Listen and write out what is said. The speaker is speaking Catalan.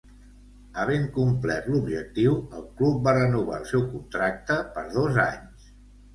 Havent complert l'objectiu, el club va renovar el seu contracte per dos anys.